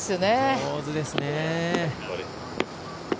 上手ですね。